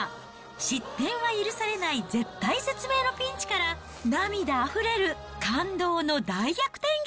失点は許されない絶体絶命のピンチから、涙あふれる感動の大逆転劇。